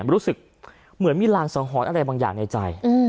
รู้สึกเหมือนมีรางสังหรณ์อะไรบางอย่างในใจ